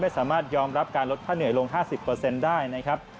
สามารถยอมรับการลดค่าเหนื่อยลง๕๐ได้นะครับ